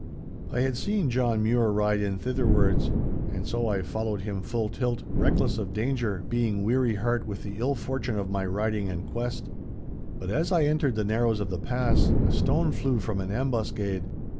I had seen John Mure ride in thitherwards. And so I followed him full tilt, reckless of danger, being weary heart with the ill fortune of my riding and quest. But as I entered the narrows of the pass, a stone flew from an ambuscade.